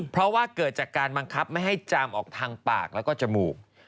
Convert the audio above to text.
เพราะว่าเกิดจากการบังคับไม่ให้จามออกทางปากแล้วก็จมูก